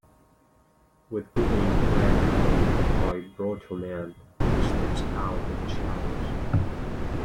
With Wily's plan undone by Proto Man, he steps out of the shadows.